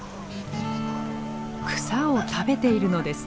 草を食べているのです。